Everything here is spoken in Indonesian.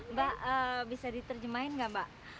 mbak bisa diterjemahin nggak mbak